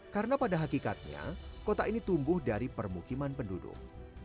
karena pada hakikatnya kota ini tumbuh dari permukiman penduduk